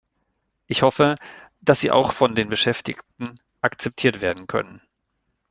Ich hoffe, dass sie auch von den Beschäftigten akzeptiert werden können.